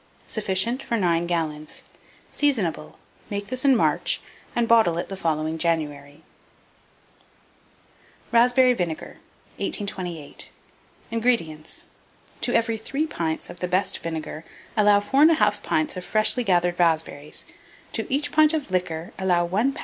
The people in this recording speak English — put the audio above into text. Sufficient for 9 gallons. Seasonable. Make this in March, and bottle it the following January. RASPBERRY VINEGAR. 1828. INGREDIENTS. To every 3 pints of the best vinegar allow 4 1/2 pints of freshly gathered raspberries; to each pint of liquor allow 1 lb.